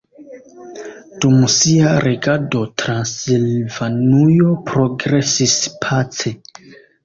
Dum sia regado Transilvanujo progresis pace.